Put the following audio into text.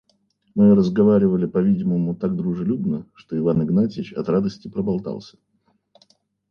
Мы разговаривали, по-видимому, так дружелюбно, что Иван Игнатьич от радости проболтался.